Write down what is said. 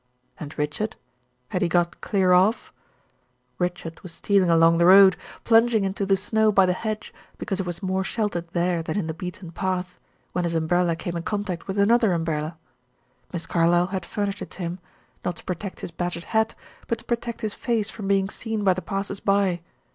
And Richard? Had he got clear off? Richard was stealing along the road, plunging into the snow by the hedge because it was more sheltered there than in the beaten path, when his umbrella came in contact with another umbrella. Miss Carlyle had furnished it to him; not to protect his battered hat but to protect his face from being seen by the passers by.